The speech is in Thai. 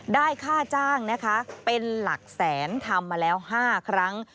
ได้ค่าจ้างนะคะเป็นหลักแสนทำมาแล้ว๕ครั้ง